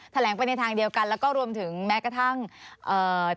แถลงไปทางเดียวกันและก็รวมถึงแม้เกือบข้างจะทั้ง